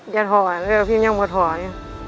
อย่าถอยเพราะว่าพิมยังไม่ถอย